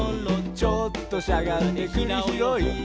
「ちょっとしゃがんでくりひろい」